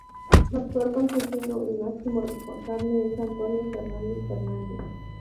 Su actual consejero y máximo responsable es Antonio Fernández Fernández.